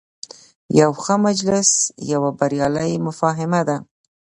یو ښه مجلس یوه بریالۍ مفاهمه ده.